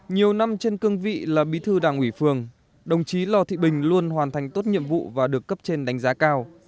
nhiều năm trên cương vị là bí thư đảng ủy phường đồng chí lò thị bình luôn hoàn thành tốt nhiệm vụ và được cấp trên đánh giá cao